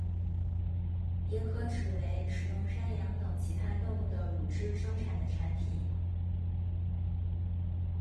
也可指为使用山羊等其他动物的乳汁生产的产品。